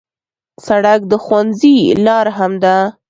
سړک د ښوونځي لار هم ده.